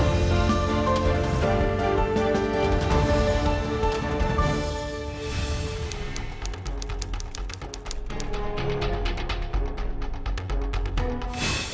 jadi kita harus berpikir pikir